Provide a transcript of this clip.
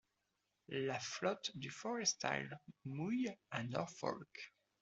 La flotte du Forrestal mouille à Norfolk.